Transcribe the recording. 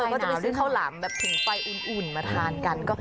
อาจจะไปซื้อเข้ารามแบบปิดไฟอุ่นมาทานกัน